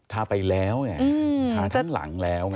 ทาไปแล้วไงทาทั้งหลังแล้วไง